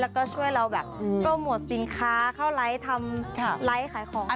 แล้วก็ช่วยเราก็หมวดสินค้าเข้าไลฟ์ทำไลฟ์ขายของค่ะ